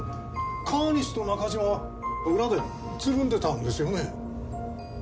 川西と中島は裏でつるんでたんですよね？